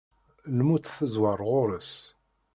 Lmut tezwar ɣur-s.